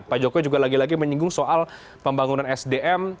pak jokowi juga lagi lagi menyinggung soal pembangunan sdm